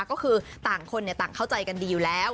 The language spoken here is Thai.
ก็คือต่างคนต่างเข้าใจกันดีอยู่แล้ว